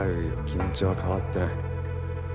気持ちは変わってない。